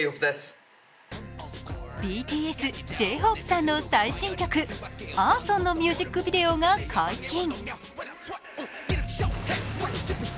ＢＴＳ・Ｊ−ＨＯＰＥさんの最新曲「Ａｒｓｏｎ」のミュージックビデオが解禁。